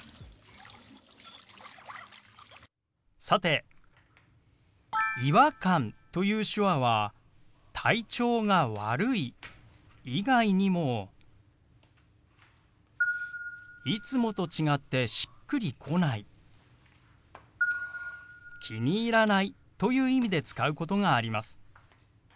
さて「違和感」という手話は「体調が悪い」以外にも「いつもと違ってしっくりこない」「気に入らない」という意味で使うことがあります。